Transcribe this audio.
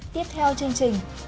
tiếp theo chương trình